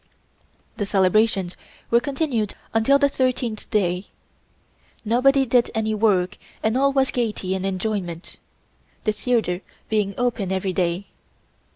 The celebrations were continued until the thirteenth day. Nobody did any work and all was gaiety and enjoyment, the theatre being open every day.